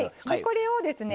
これをですね